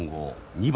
２番。